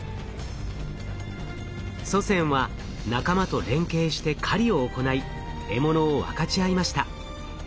祖先は仲間と連携して狩りを行い獲物を分かち合いました。